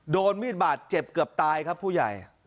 โดนมีดบาดเจ็บเกือบตายครับผู้ใหญ่